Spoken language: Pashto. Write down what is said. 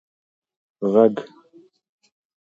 ږغ